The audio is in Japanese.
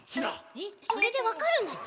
えっそれでわかるんだち？